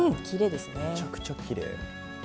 めちゃくちゃきれい。